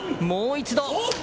もう一度。